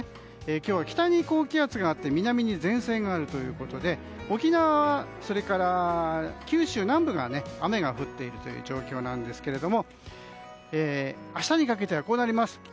今日は北に高気圧があって南に前線があるということで沖縄、それから九州南部が雨が降っている状況なんですが明日にかけてはこうなります。